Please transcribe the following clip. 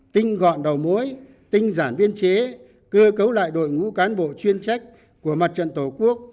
tinh gọn đầu mối tinh giản biên chế cơ cấu lại đội ngũ cán bộ chuyên trách của mặt trận tổ quốc